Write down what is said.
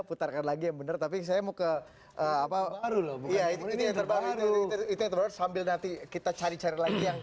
putarkan lagi yang bener tapi saya mau ke apa baru baru sambil nanti kita cari cari lagi yang